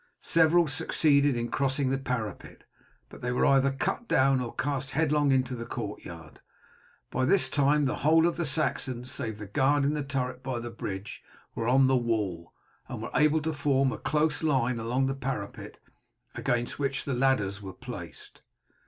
Several succeeded in crossing the parapet, but they were either cut down or cast headlong into the courtyard. By this time the whole of the Saxons, save the guard in the turret by the bridge, were on the wall, and were able to form a close line along the parapet against which the ladders were placed.